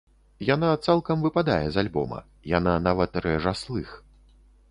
Яна цалкам выпадае з альбома, яна нават рэжа слых.